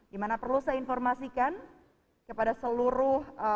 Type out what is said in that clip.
di mana perlu saya informasikan kepada seluruh